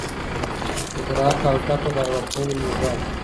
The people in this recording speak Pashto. ادراک او زده کړه د ارواپوهني موضوعات دي.